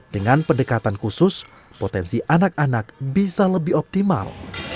dengan pendekatan khusus potensi anak anak bisa lebih optimal